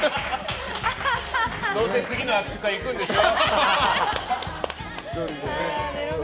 どうせ次の握手会行くんでしょ。